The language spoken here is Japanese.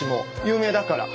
有名だから。